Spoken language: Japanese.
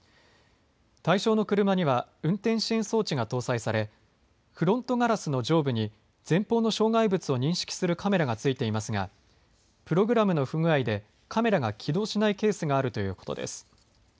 対象の車には運転支援装置が搭載され、フロントガラスの上部に前方の障害物を認識するカメラが付いていますが、プログラムの不具合でカメラが起動しないケースがあるということです。